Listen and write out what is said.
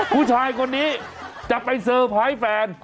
ผู้ชายคนนี้จะไปเซอร์ไพรส์แฟน